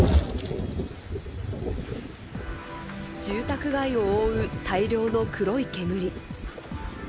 住宅街を覆う大量の黒い煙。